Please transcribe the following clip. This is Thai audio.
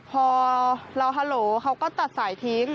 พอเราฮาโหลเขาก็ตัดสายทิ้ง